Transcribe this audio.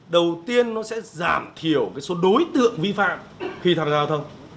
đầu tiên nó sẽ giảm thiểu số đối tượng vi phạm khi tham gia giao thông